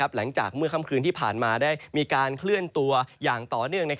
หลังจากเมื่อค่ำคืนที่ผ่านมาได้มีการเคลื่อนตัวอย่างต่อเนื่อง